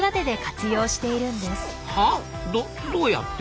どどうやって？